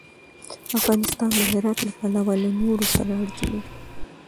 افغانستان د هرات له پلوه له نورو سره اړیکې لري.